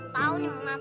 tau yang mana